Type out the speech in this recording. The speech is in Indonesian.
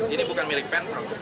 ini bukan milik pemprov